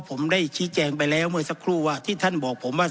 ผมได้ชี้แจงไปแล้วเมื่อสักครู่ว่าที่ท่านบอกผมว่า